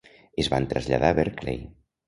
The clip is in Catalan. Es van traslladar a Berkeley.